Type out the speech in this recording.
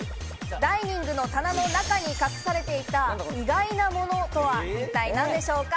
ダイニングの棚の中に隠されていた意外なものとは一体何でしょうか？